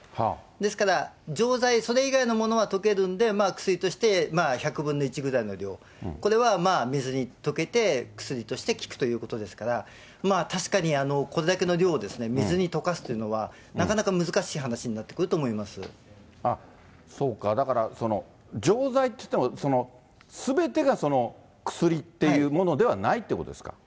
ですから、錠剤、それ以外のものは溶けるんで、薬として１００分の１ぐらいの量、これは水に溶けて、薬として効くということですから、確かにこれだけの量を水に溶かすというのは、なかなか難しい話にそうか、だから錠剤っていっても、すべてがその薬っていうものではないっていうことですか。